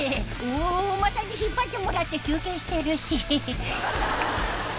お馬さんに引っ張ってもらって休憩してるし。